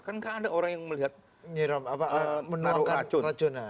kan nggak ada orang yang melihat menaruh racun